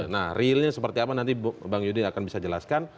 nah realnya seperti apa nanti bang yudi akan bisa jelaskan